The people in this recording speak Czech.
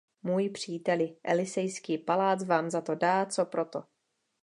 Můj příteli, Elysejský palác vám za to dá co proto.